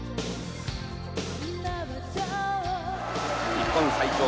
日本最強。